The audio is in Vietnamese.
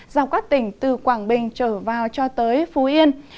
dọc các tỉnh từ quảng bình trở vào cho tới phú yên